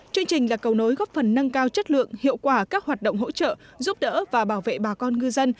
chương trình là cầu nối góp phần nâng cao chất lượng hiệu quả các hoạt động hỗ trợ giúp đỡ và bảo vệ bà con ngư dân